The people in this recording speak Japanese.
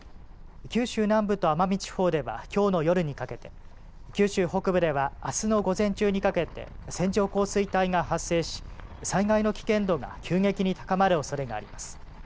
九州南部と奄美地方ではきょうの夜にかけて、九州北部ではあすの午前中にかけて線状降水帯が発生し災害の危険度が急激に高まるおそれがあります。